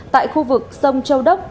tại khu vực sông châu đốc